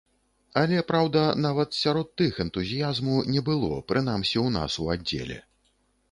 Але, праўда, нават сярод тых энтузіязму не было, прынамсі ў нас у аддзеле.